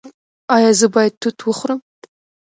ایا زه باید توت وخورم؟